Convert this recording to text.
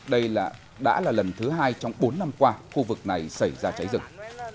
đây đã là lần thứ hai trong bốn năm qua khu vực này xảy ra cháy rừng